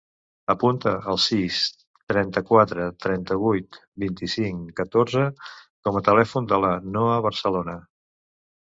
Apunta el sis, trenta-quatre, trenta-vuit, vint-i-cinc, catorze com a telèfon de la Noha Barcelona.